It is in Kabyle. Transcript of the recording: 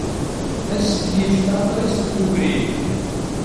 Ad as-d-yeǧǧ laṭer-is deg ubrid.